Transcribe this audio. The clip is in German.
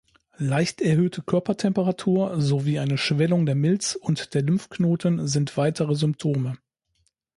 Leicht erhöhte Körpertemperatur sowie eine Schwellung der Milz und der Lymphknoten sind weitere Symptome.